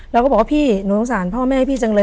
แล้วก็บอกว่าพี่หนูสงสารพ่อแม่พี่จังเลย